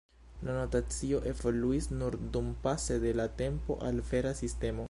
La notacio evoluis nur dumpase de la tempo al vera "sistemo".